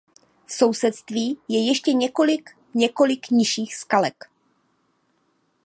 V sousedství je ještě několik několik nižších skalek.